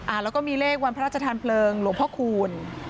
อ่าแล้วก็มีเลขวันพระราชธรรมเผลิงหลวงพระคูณ